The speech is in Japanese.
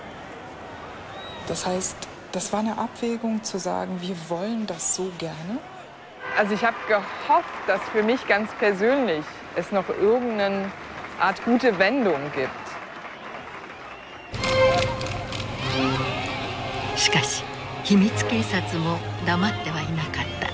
掲げたのはしかし秘密警察も黙ってはいなかった。